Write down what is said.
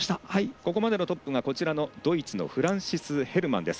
ここまでのトップがドイツのフランシス・ヘルマンです。